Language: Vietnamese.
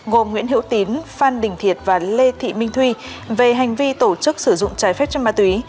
gồm nguyễn hữu tín phan đình thiệt và lê thị minh thuy về hành vi tổ chức sử dụng trái phép cho ma túy